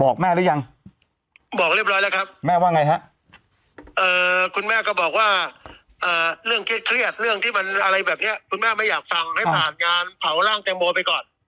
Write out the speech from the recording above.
แม่หรือยังบอกเรียบร้อยแล้วครับแม่ว่าไงฮะคุณแม่ก็บอกว่าเรื่องเครียดเรื่องที่มันอะไรแบบนี้คุณแม่ไม่อยากฟังให้ผ่านงานเผาร่างแตงโมไปก่อน